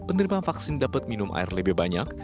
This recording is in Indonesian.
penerima vaksin dapat minum air lebih banyak